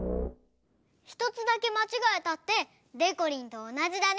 ひとつだけまちがえたってでこりんとおなじだね。